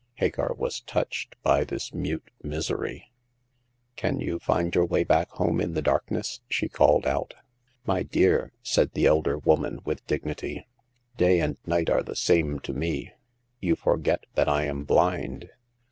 Hagar was touched by this mute misery. Can you find your way back home in the darkness ?" she called out. " My dear," said the elder woman with dig nity, day and night are the same to me. You forget that I am blind.